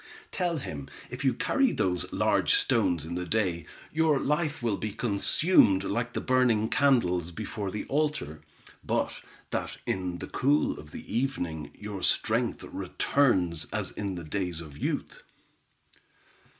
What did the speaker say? "Tell him if you carry those large stones in the day, your life will be consumed like the burning candles before the altar; but that in the cool of the evening, your strength returns as in the days of youth."